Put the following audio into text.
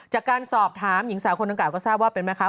จากการสอบถามหญิงสาวคนตะก่าวก็ทราบว่าเป็นไหมคะ